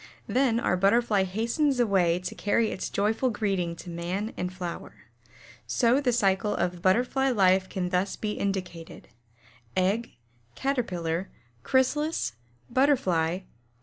Then our Butterfly hastens away to carry its joyful greeting to man and flower. So the cycle of Butterfly life can thus be indicated: Egg, Caterpillar, Chrysalis, Butterfly, Egg.